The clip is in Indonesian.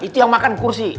itu yang makan kursi